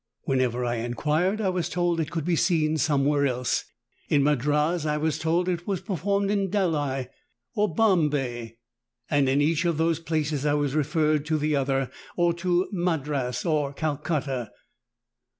Whenever I inquired I was told it eould be seen somewhere else. In Madras I was told it was performed in Delhi or Bombay, and in each of those places I was referred to the other, or to Madras or Calcutta.